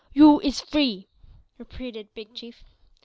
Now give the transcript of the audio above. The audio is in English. "You is free!" repeated Big Chief.